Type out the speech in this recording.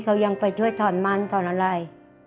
เขายังไปช่วยถอนมันถอนอะไร